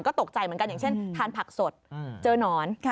ก็ตกใจเหมือนกันอย่างเช่นทานผักสดเจอหนอน